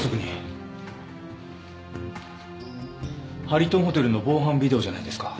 ハリトンホテルの防犯ビデオじゃないですか。